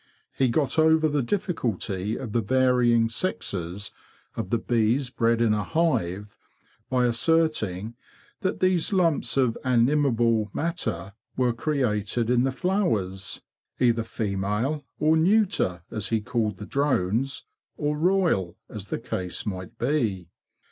He got over the difficulty of the varying sexes of the bees bred in a hive by asserting that these lumps of animable matter were created in the flowers, either female, or neuter—as he called the drones—or royal, as the case might be.